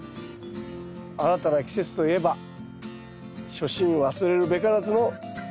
新たな季節といえば初心忘るべからずの藤田智です。